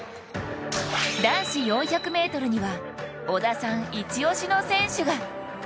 男子４００ｍには、織田さん一押しの選手が。